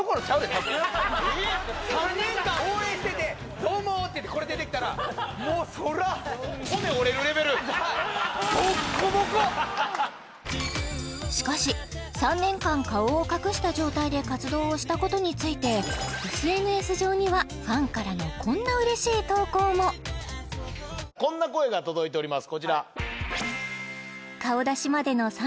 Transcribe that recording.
たぶん「どうも」ってもうそらしかし３年間顔を隠した状態で活動をしたことについてＳＮＳ上にはファンからのこんなうれしい投稿もこんな声が届いております